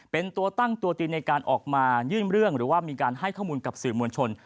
เป็นตัวตั้งตัวจริงในการออกมายื่นเรื่องหรือว่ามีการให้ข้อมูลกับสื่อมวลชน